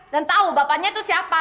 tahu bapaknya itu siapa